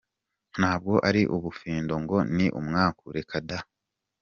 Ntabwo ari ubufindo ngo ni umwaku, reka da!